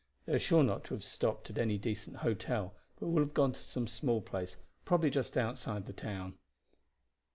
They are sure not to have stopped at any decent hotel, but will have gone to some small place, probably just outside the town.